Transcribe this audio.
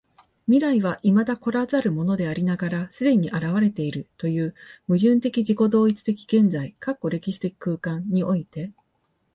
未来は未だ来らざるものでありながら既に現れているという矛盾的自己同一的現在（歴史的空間）において、